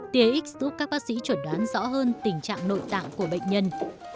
tia x giúp các bác sĩ chuẩn đoán rõ hơn tình trạng nội tạng của bệnh nhân